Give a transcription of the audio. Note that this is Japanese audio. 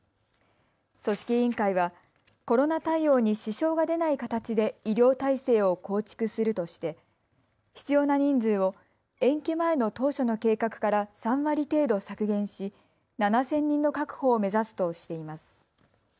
組織委員会はコロナ対応に支障が出ない形で医療体制を構築するとして必要な人数を延期前の当初の計画から３割程度削減し７０００人の確保を目指すとしています。